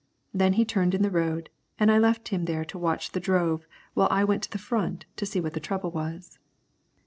Then he turned in the road, and I left him to watch the drove while I went to the front to see what the trouble was.